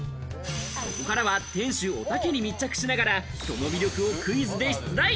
ここからは店主・おたけに密着しながら、その魅力をクイズで出題。